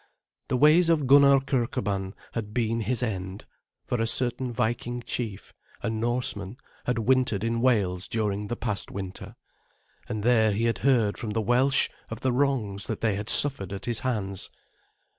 The ways of Gunnar Kirkeban had been his end, for a certain Viking chief, a Norseman, had wintered in Wales during the past winter, and there he had heard from the Welsh of the wrongs that they had suffered at his hands.